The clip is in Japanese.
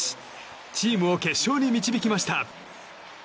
チームを決勝に導きました。